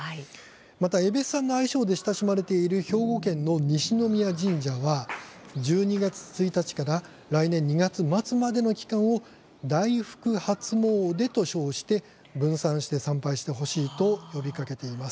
また「えべっさん」の愛称で親しまれている兵庫県の西宮神社は１２月１日から来年２月末までの期間を「大福初詣」と称して分散して参拝してほしいと呼びかけています。